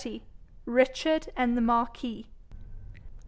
RICHARD AND THE MARQUIS.